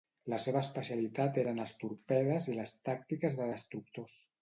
La seva especialitat eren els torpedes i les tàctiques de destructors.